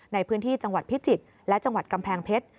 ในพื้นที่จังหวัดพิจิตรและจังหวัดกำแพงเพชร